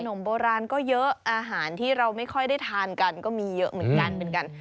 มโบราณก็เยอะอาหารที่เราไม่ค่อยได้ทานกันก็มีเยอะเหมือนกันเหมือนกัน